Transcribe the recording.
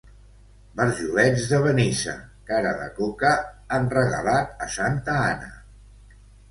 Barjolets de Benissa, cara de coca, han regalat a santa Anna.